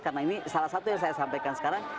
karena ini salah satu yang saya sampaikan sekarang